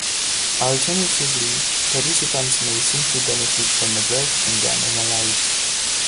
Alternatively, participants may simply benefit from a break in their normal lives.